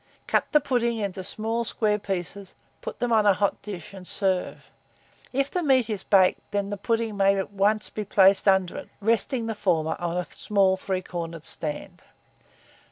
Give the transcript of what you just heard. Cut the pudding into small square pieces, put them on a hot dish, and serve. If the meat is baked, the pudding may at once be placed under it, resting the former on a small three cornered stand.